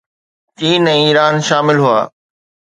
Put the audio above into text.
چين ۽ ايران شامل هئا